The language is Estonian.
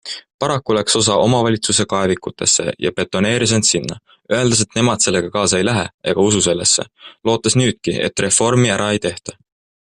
Paraku läks osa omavalitsusi kaevikutesse ja betoneeris end sinna, öeldes, et nemad sellega kaasa ei lähe ega usu sellesse, lootes nüüdki, et reformi ära ei tehta.